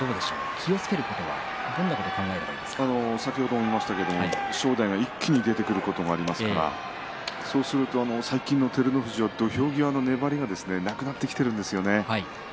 気をつけるところは正代が一気に出てくることもありますからそうすると最近照ノ富士は土俵際の粘りがなくなってきているんですよね。